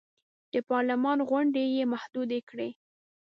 د پارلمان غونډې یې محدودې کړې.